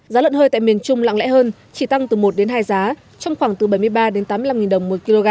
giá lợn hơi tại miền trung lặng lẽ hơn chỉ tăng từ một hai giá trong khoảng từ bảy mươi ba tám mươi năm đồng một kg